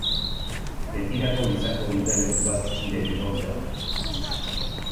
Betirako izango dute leku bat nire bihotzean.